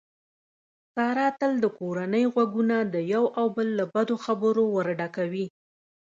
ساره تل د کورنۍ غوږونه د یو او بل له بدو خبرو ورډکوي.